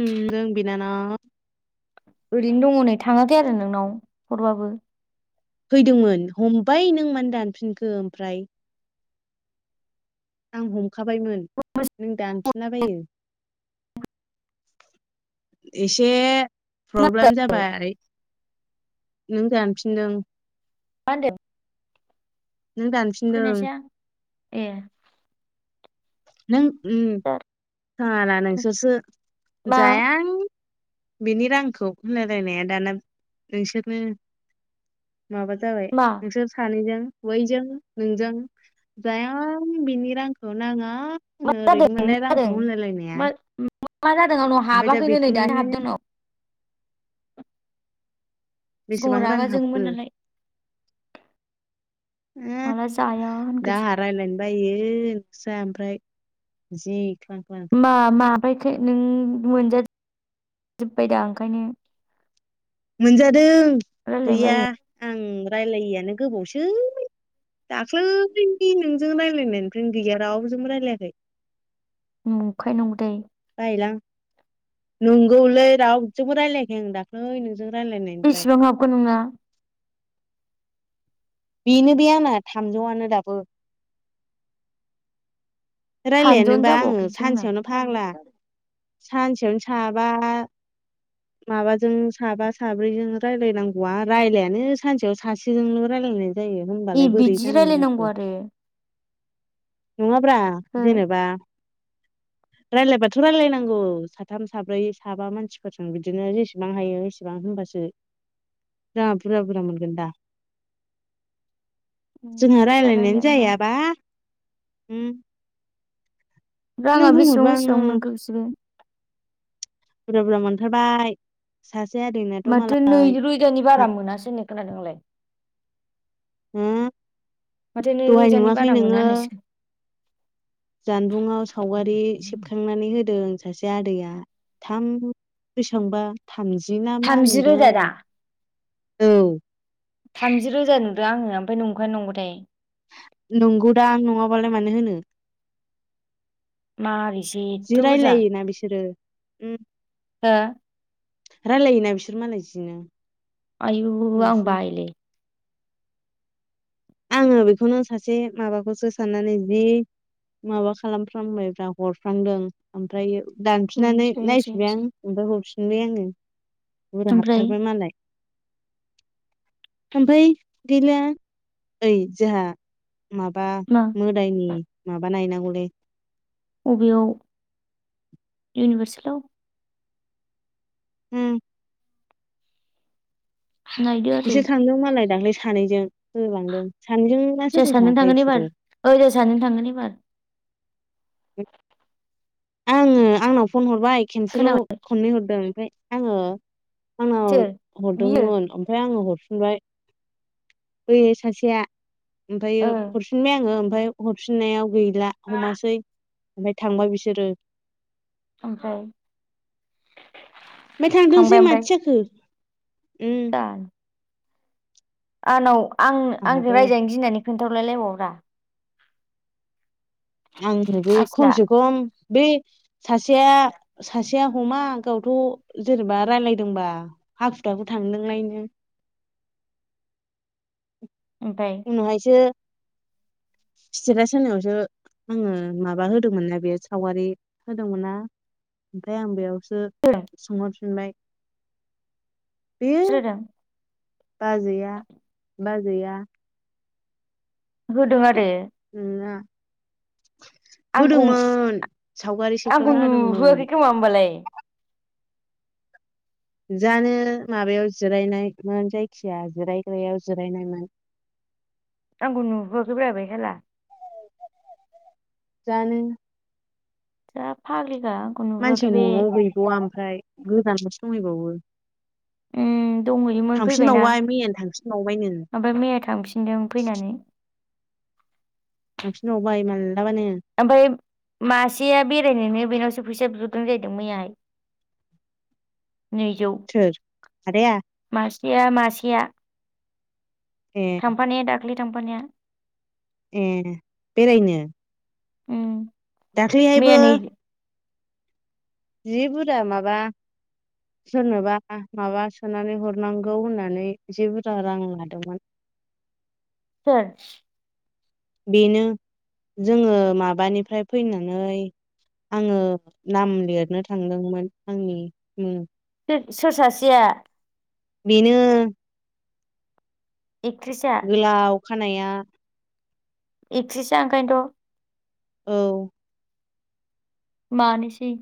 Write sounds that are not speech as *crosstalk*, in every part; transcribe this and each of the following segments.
उम दों बिनानाव ओरैनो दङ नै थाङाखै आरो नोंनाव हरबाबो फैदोंमोन हमबाय नों मानो दानफिनखो ओमफ्राय आं हमखाबायमोन नों दानफिनलाबायो एसे मा प्रब्लेम जाबाय नों दानफिनदों मा होनदों? नों दानफिनदों खोनायासै आं ए नों उम साला नोंसोरसो मा जायां बेनि रांखौ होनलायलायनाया दाना नोंसोरनो माबा जाबाय मा नोंसोर सानैजों बैजों नोंजों जायां बिनि रांखौ नाङा मा आंनो जादों ओरैनो मा मोननाय जादों रांखौ होनलायलायनाया मा मा जादों आंनाव ओमफ्राय दा हाबाखैनो नै दासो बेखौनो हाबदों नै बेसेबां रां हाबखो नालाय उम माला जाया दा होनखोसै आंहा रायज्लायनो बायो नोंस्रा ओमफ्राय जि ख्लां ख्लां मा माबायखो नों मोनजाजोबबायदां ओंखायनो मोनजादों रायलायनो गैया बायो आं रायज्लायैयानो गोबावसै दाख्लै नोंजों रायज्लाय नायनिफ्रायनो गैया रावजोंबो रायज्लायाखै नंखायना नंगौ थाय बायोलां नंगौलै रावजोंबो रायजलायखै आं दाख्लै नों बेसेबां हाबखो नोंना बेनो बे आंना थामजौआनो दाबो थामजौआनो रायज्लायानोबा आङो जाबावाखैसो आंना सानसेयावनो फाग्ला सानसेयावनो साबा माबाजों साबा साब्रैजों रायजलायनांगौआ रायज्लायानो सानसेयाव सासेजोंल' रायज्लायनाय जायो ए होनबालाय बोरै बिदि जानांगौ जाखो रायलायनांगौ आरो नङाब्रा हो जेनेबा *inaudible* रायलायबाथ' रायजलायनांगौ साथाम साब्रै साबा मानसिफोरजों बिदिनो जेसेबां हायो एसेबां हो नबासो रांआ बुरजा बुरजा मोनगोन दा जोंहा ओमफ्राय रायलायनायानो रायलायानोबा जायाबा नों राङा बेसेबां बुंहरबा आङो बेसेबां मोनखो बेसोरो? बुरजा मोनथारबाय सासे आदैनाथ' माथो नै मालाय रोजानि बारा मोनासो होननाय खोनादों आंलाय हो माथो नै दहाय रोजानि नुवाखै बारा मोना नोङो होननायसो जानबुंआव सावगारि सेबखांनानै होदों सासे आदैया थाम बेसेबांबा थामजि ना मा थामजि नुदों रोजा दा आङो औ थामजि रोजा नुदों आङो ओमफ्राय नंखायना नंगौथाय नंगौ दां नङाबालाय मानो होनो। मारै जि रायलायोना बिसोरो हा? रायलायोना बिसोर मालाय जिनो आयु आं जोंनासो बायोलै आङो बेखौनो सासे माबाखौसो साननानै जि माबा खालामफ्लांबाय ब्रा हरफ्लांदों ओमफ्रायो दानफिननानै नायफिनबाय आं ओमफ्राय ओमफ्राय हरफिनबाय आङो बुरजा हाबथारबाय मालाय आमफाय गैला ओइ जोंहा माबा मा मोदायनि माबा नायनांगौलै बबेयाव इउनिभारसेलाव? ओम नायदो आरो बिसोर थांदों मालाय दाख्लै सानैजों होलांदों सानैजों ना सोर जोंहा सोर सानैजों थाङाथाय थांगोन एबार बिसोरो? ओ जोंहा सानैजों थांगोन एबार *inaudible* आङो आंनाव फन हरबाय खनसेल' खोनाबाय खननै हरदों ओमफ्राय आङो आंनाव सोर बियो हरदोंमोन ओमफ्राय आङो हर फिनबाय बैयो सासेया ओ ओमफायो हरफिनबाय आङो ओमफाय हरफिननायाव गैला हमासै ओमफाय थांबाय बिसोरो ओमफ्राय ओनफाय थांथोंसै थांबाय ओमफ्राय माथो जाखो उम जानो आंनाव आं आंजों आंहाबो रायजानो गिनानै खोन्थाहरलाय लायबावाब्रा आंनोबो आसोला खमसे खम बे सासेया सासे सेया हमा गावथ' जेनेबा रायज्लायदोंबा हाखु दाखु थांदोंलायनो। *inaudible* ओमफ्राय उनावहायसो सितेतास होनायावसो आङो माबा होदोंमोन ना बेयाव सावगारि होदोंमोनना ओमफ्राय आं बेयाव सो होदों सोंहरफिनबाय बे सोर होदों बाजैया बाजैया होदों आरो उम ना आंखौ होदोंमोन सावगारि आंखौ सेखना नुहोआखै होदोंमोन खोमा होमबालाय जानो माबायाव जिरायनायमोन जायखिया जिरायग्रायाव जिरायनायमोन आंखौ नुहोआखै ब्रा बे साला जानो जा फाग्लि मानसिआ न'आव गैबावा ओमफ्राय गोजानावसो दंहैबावो। उम । उम दंहैयोमोन फैबायना थांफिनबावबाय मैयानो थांफिनबावबायनो ओमफाय मैया थांफिनदों फैनानै । *inaudible* *unintelligible* ओमबाय मासेया बेरायनोनो बेनावस फैसा बिहरदों जाहैदों मैयाय । नैजौ सोर आदाया मासेया मासेया ए थांफानाया दाखलै थांफानाया । ए बेरायनो । उम । दाख्लैहायबो जि बुरजा माबा सोरनोबा आ माबा सोनानै हरनांगौ होननानै जि बुरजा रां लादोंमोन । सोर? बेनो जोङो माबानिफ्राय फैनानै आङो नाम लिरनो थांदोंमोन आंनि उम । *unintelligible* सोर सासेया? बिनो एथ्रिसआ गोलाव खानाया एथ्रिसा ओंखायनोथ' । औ । मानिसै ।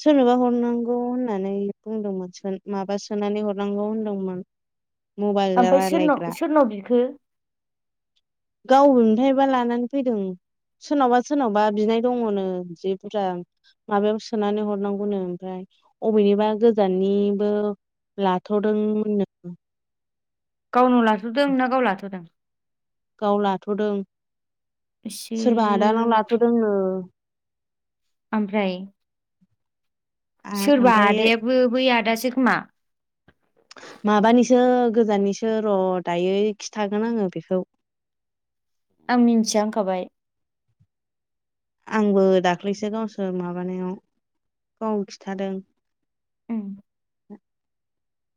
सोरनोबा हरनांगौ होननानै बुंदोंमोनसोन माबा सोनानै हरनांगौ होनदोंमोन । ओमफाय सोरनाव सोरनाव बिखो? गाव आबेनिफायबा लानानै फैदों । सोरनावबा सोरनावबा बिनाय दङनो जि बुरजा माबायाव सोनानै हरनांगौनो ओमफ्राय । अबेनिबा गोजाननिबो लाथ'दोंमोननो । गावनाव लाथ'दों ना गाव लाथ'दों? गाव लाथ'दों सोरबा आदानाव इसोर लाथ'दोंनो । आमफ्राय? आ सोरबा ओमफ्राय आदायाबो बै आदासो खोमा । जो गोजाननिसो र' दायै खिथागोन आङो बेखौ । आं मिन्थिया होनखाबाय । आंबो दाख्लैसो गावसोर माबानायाव गाव खिथादों । उम । *inaudible*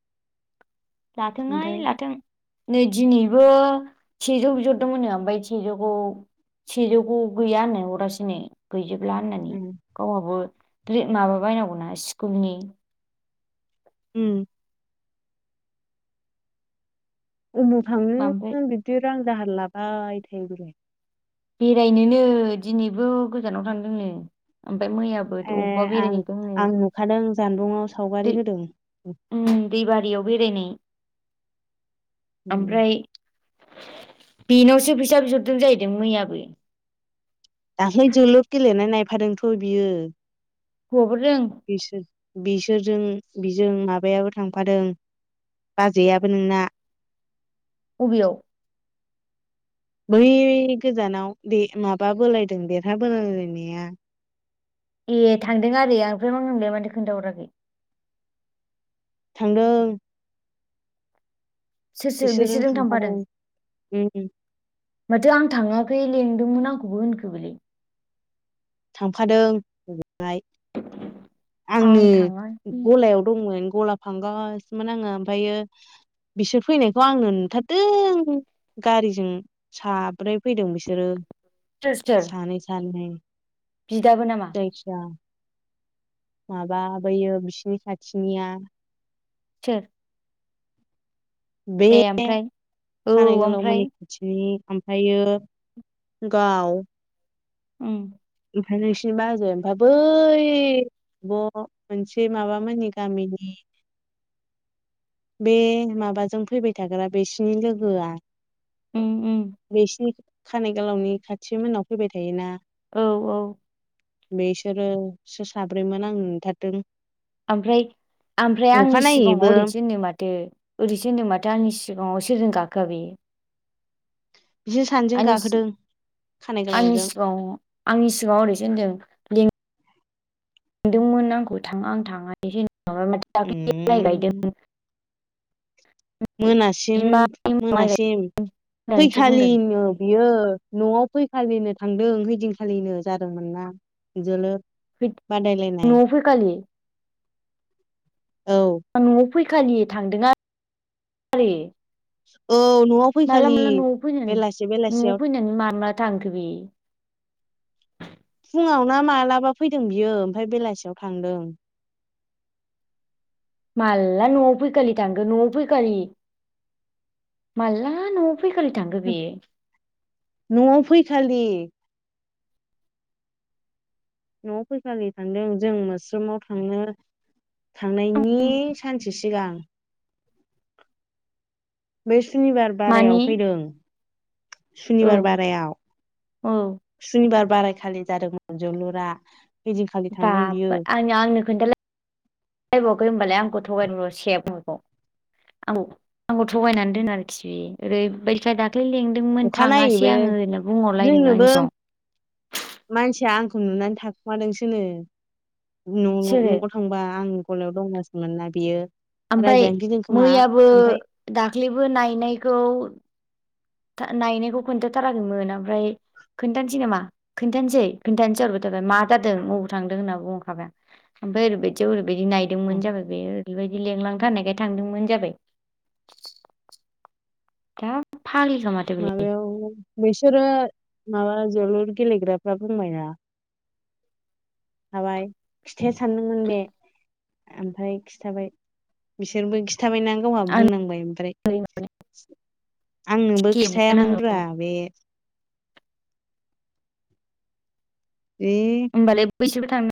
लाथोंहाय ओमफ्राय लाथों । नै दिनैबो सेजौ बिहरदोंमोननो ओमबाय सेजौखौ सेजौखौ गैयानो अरासिनो गैजोब ब्ला होननानै गावहाबो *unintelligible* माबा बायनांगौना स्कुलनि उम अबाव ओमफ्राय थांनो बिदि रां दाहार लाबाय थायो बेलाय। बेरायनोनो दिनैबो गोजानाव थांदोंनो। ओमफ्राय मैयाबो ए अबेबा आं बेरायहैदोंनो। आं नुखादों जानबुंआव सावगारि होदों दैबारियाव बेरायनाय ओमफ्राय बेनावसो फैसा बिहरदों जाहैदों मैयाबो। दाख्लै जोलुर गेलेनाय नायफादोंथ' बियो। हौवाफोरजों? बिसोर बिसोरजों बिजों माबायाबो थांफादों। बाजैयाबो नोंना अबियाव? बै गोजानाव बे माबा बोलायदों देरहाबोलायलायनाया ए थांदों आरो ओमफ्राय मा मोननोलाइ माथो खोन्थाहराखै थांदों सोर सोर बिसोरजों थांफादों? उम माथो आं थाङाखै लेंदोंमोन आंखौबो होनखो बेलाय थांफादों आं आंनो थाङाखै गलायाव दंमोन। गला फांगासिनोमोन आङो ओमफ्रायो बिसोर फैनायखौ आंनो नुथारदों गारिजों साब्रै फैदों बिसोरो सोर सोर सानै सानै बिदाबो नामा जायखिया माबा बैयो बिसिनि खाथिनिया सोर? बे ए ओमफ्राय औ खानाय ओमफ्राय गोलावमोननि खाथिनि ओमफ्रायो गाव ओम ओमफ्राय नोंसिनि माजों ओमफाय बै ब मोनसे माबामोननि गामिनि *inaudible* बे माबाजों फैबाय थाग्रा बिसिनि लोगोआ उम उम बिसिनि खानाय गोलावनि खाथि मोननाव फैबाय थायोना औ औ बेसोरोसो साब्रैमोन आं नुथारदों ओमफ्राय। ओमफ्राय आंनि सिगाङाव अखानायैबो ओरैसो होनो माथो ओरैसो होनो माथो आंनि सिगाङाव सोरजों गाखो *unintelligible* बिसोर सानैजों आंनि गाखोदों खानाय आंनि गोलावजों सिगाङाव आंनि सिगाङाव ओरैसो होनदों ल लेंदोंमोन आंखौ थाङा आं थांनानै जा माथो उम दाख्लै गायदोंमोन मोनासिम बिमानि माइ मोनासिम गायदों होननानैसो बुंदों फैखालिनो बियो न'आव फै खालिनो थांदों हैैदिनखालिनो जादोंमोन ना जोलुर। बादायलायनाय न'आव फैखालि औ आं न'आव फैखालि थांदों आरो खालि औ न'आव माला फैखालि माला न'आव फैनानै बेलासि न'आव बेलासियाव फैनानै माला माला थांखो बेयो? *inaudible* फुंआव ना मालाबा फैदों बियो ओमफ्राय बेलासियाव थांदों माला न'आव फैखालि थांखो न'आव फैखालि माला न'आव फैखालि थांखो न'आव फैखालि। न'आव फैखालि थांदों जों आस्रमाव थांनो थांनायनि बे सानसे सिगां। बे सुनिबार मानि बारायाव फैदों। औ सुनिबार बारायाव औ सुनिबार। बाराय खालि जादोंमोन जोलुरा। ओइदिनखालि बा थांदों बियो आं आंनो खोनथालायबावाखै होनबालाय आंखौ थगायदों र' सेब आं आंखौ थगायनानै दोनो आरोखि बे ओरैबायदि। दाख्लै लिंदोंमोन थाङासै अखानायैबो आङो होननो बुंहरलाय जोंनोबो आंनि सिगाङाव। खु नुनानै थाखुमादोंसोनो न' सोरो न'आव थांबा आं गलायाव दंगासिनो मोनना बियो। ओमफ्राय रायजानो गिदों खोमा मैयाबो ओमफाय दाख्लैबो नायनायखौ था नायनायखौ खोन्थाथाराखैमोन ओमफ्राय। खोन्थानोसै नामा खोन्थानोसै खोन्थानोसै जाहरबाय थाबाय मा जादों बबाव थांदों होनना बुंहरखाबाय आं। ओमफ्राय ओरैबायदियाव ओरैबायदि नायदोंमोन जाबाय बे। बेबायदि लिंलांथारनायखाय थांदोंमोन जाबाय। दा फाग्लिखा माथो बेलाय माबायाव बिसोरो माबा जोलुर गेलेग्राफ्रा बुंबायना। थाबाय खिथाया सानदोंमोन बे। आमफाय खिथाबाय बिसोरबो खि थाबायना गावहा आंनो बुंनांबाय ओमफ्राय। आंनोबो टेबबो खिथायामोनब्रा नांगौ बे। बे होमबालाय बैसोरबो थां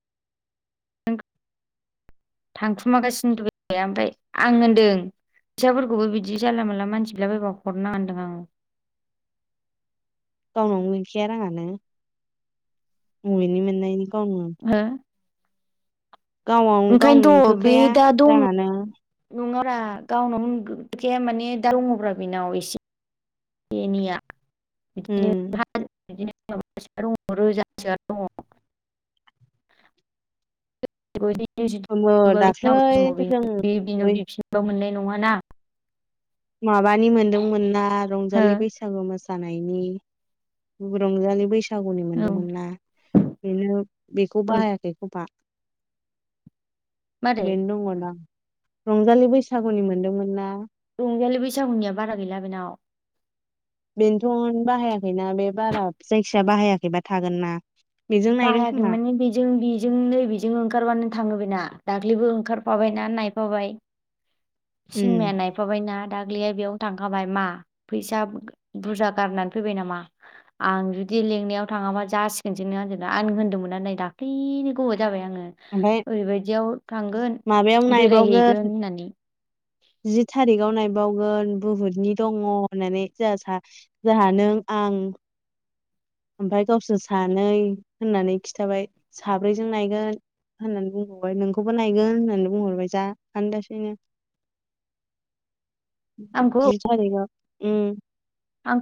थांखुमागासिनोथ बियो ओमफाय आं होन्दों। फैसाफोरखौबो बिदि जानला मोनला मानसि बिला बायबा हरना होनदों आङो। गावनावनो गैखाया राङानो। अबिनि मोननायनि गावनो हो गावनाव गावनोनो ओंखायनोथ' बे थोखाया दा दं। राङानो नङारा गावनावनो गैया माने दा दङब्रा बिनाव एसे। से एनैया ओम *unintelligible* *unintelligible* दङ रोजासेआ दङ। *unintelligible* नांगौ दाख्लै समाव जों *unintelligible* बे बेनाव बै बिफिनबाबो मोन नङा ना। माबानि मोनदोंमोन ना हो रंजालि बैसागु मोसा सानायनि रंजालि बैसाग सागुनि औ मोनदोंमोनना बेनो बेखौ औ बाहायाखै खोमा। मारै बेनो दङ दां रंजालि बैसागुनि मोनदोंमोन ना। रंजालि बैसागुनिया बारा गैला बिनाव। बेनोथ' बाहायाखैना बे बारा जायखि जाया बाहायाखैबा थागोनना। बाहायाखै माने बेजों बेजों नै बेजों ओंखारबानो थाङो बिना। दाख्लिबो ओंखारफाबायना नायफाबाय सिनेमाया उम नायफाबायना दा ब्लेयो बेयाव थांखाबाय मा फैसा बुरजा गारनानै फैबाय नामा आं जुदि लेंनायाव थाङाबा जासिगोनसो नों आंजों दा आं होनदोंमोना नै दाख्लैनो गोबाव जाबाय आङो। ओमफ्राय ओरैबायदियाव थांगोन माबायाव बेरायहैगोन नायबावगोन होननानै। जि थारिखाव नाय बावगोन बुहुथनि दङ होननानै जोंहा नों आं। ओमफाय गावसोर सानै होननानै खिथाबाय साब्रैजों नाहैयगोन। होननानै बुंहरबाय नोंखौबो नायगोन होननानै बुंहरबाय जा आनदासैनो। *inaudible* आंखौ जि तारिगाव उम आं